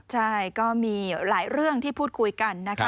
ใช่ก็มีหลายเรื่องที่พูดคุยกันนะคะ